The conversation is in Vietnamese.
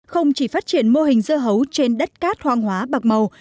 không chỉ phát triển mô hình dưa hấu trên đất cát hoang hóa bạc màu